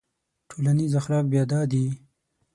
ټولنیز اخلاق بیا دا دي.